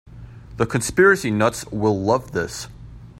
The conspiracy nuts will love this.